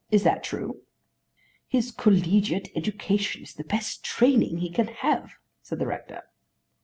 Is that true?" "His collegiate education is the best training he can have," said the rector.